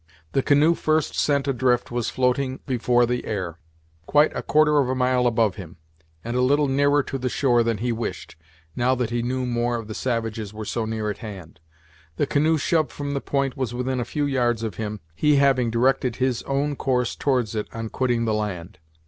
The canoe first sent adrift was floating before the air, quite a quarter of a mile above him, and a little nearer to the shore than he wished, now that he knew more of the savages were so near at hand. The canoe shoved from the point was within a few yards of him, he having directed his own course towards it on quitting the land.